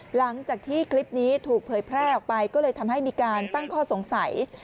หลังจากที่คลิปนี้ถูกเผยแพร่ออกไปก็เลยทำให้มีการตั้งข้อสงสัย